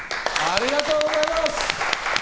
ありがとうございます！